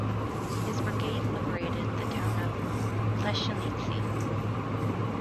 His brigade liberated the town of Pleshinitsy.